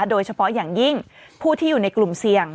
โดยเฉพาะอย่างยิ่งผู้ที่อยู่ในกลุ่มเสี่ยง